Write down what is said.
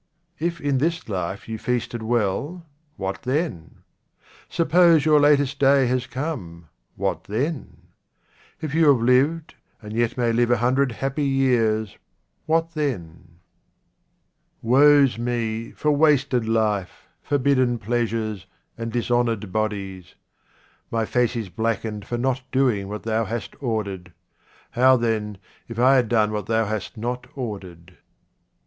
If in this life you feasted well, what then ? Suppose your latest day has come, what then ? If you have lived and yet may live a hundred hundred happy years, what then ? Woe's me for wasted life, forbidden pleasures, and dishonoured bodies ! My face is blackened for not doing what Thou hast ordered. How, then, if I had done what Thou hast not ordered